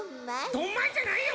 「どんまい」じゃないよ